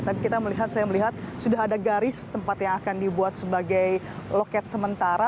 tapi saya melihat sudah ada garis tempat yang akan dibuat sebagai loket sementara